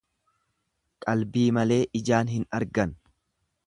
Qalbii malee ijaan hin argan.